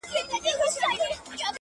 • چي په وینو یې د ورور سره وي لاسونه,